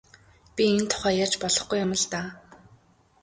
Би энэ тухай ярьж болохгүй юм л даа.